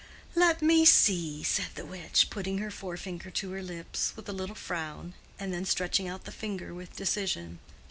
"Let me see!" said the witch, putting her forefinger to her lips, with a little frown, and then stretching out the finger with decision.